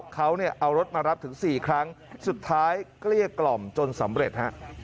เขาเอารถมารับถึง๔ครั้งสุดท้ายเกลี้ยกล่อมจนสำเร็จฮะ